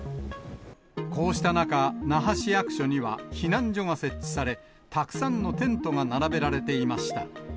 こうした中、那覇市役所には避難所が設置され、たくさんのテントが並べられていました。